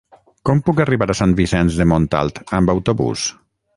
Com puc arribar a Sant Vicenç de Montalt amb autobús?